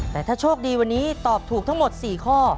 แต่ถ้าโชคดีวันนี้ตอบถูกทั้งหมด๔ข้อ